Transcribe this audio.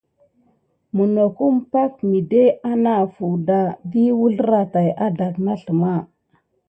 Minokum pay midé anakuda vi nevoyi dakulum misbukine kurum mantaki.